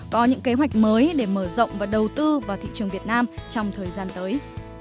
có những kế hoạch mới để mở rộng và đầu tư vào thị trường việt nam trong thời gian tới